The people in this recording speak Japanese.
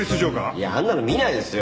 いやあんなの見ないですよ。